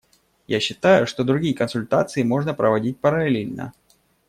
Я считаю, что другие консультации можно проводить параллельно.